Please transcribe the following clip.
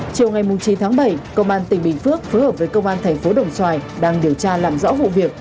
chiều ngày chín tháng bảy công an tỉnh bình phước phối hợp với công an thành phố đồng xoài đang điều tra làm rõ vụ việc